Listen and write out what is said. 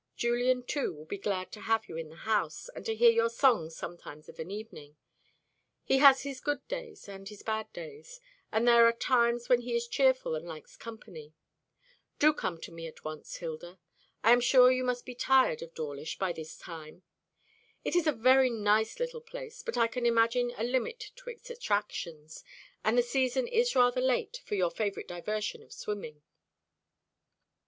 Julian, too, will be glad to have you in the house, and to hear your songs sometimes of an evening. He has his good days and his bad days; and there are times when he is cheerful and likes company. Do come to me at once, Hilda. I am sure you must be tired of Dawlish by this time. It is a very nice little place, but I can imagine a limit to its attractions, and the season is rather late for your favourite diversion of swimming.